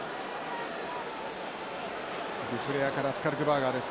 デュプレアからスカルクバーガーです。